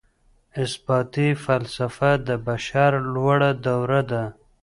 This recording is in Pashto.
اثباتي فلسفه د بشر لوړه دوره ده.